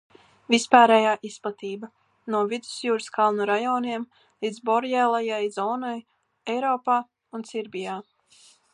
Vispārējā izplatība: no Vidusjūras kalnu rajoniem līdz boreālajai zonai Eiropā un Sibīrijā.